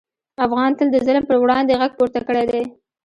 افغان تل د ظلم پر وړاندې غږ پورته کړی دی.